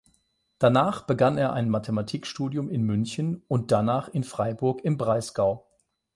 Danach begann er ein Mathematikstudium in München und danach in Freiburg im Breisgau.